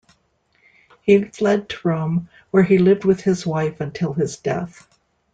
He fled to Rome, where he lived with his wife until his death.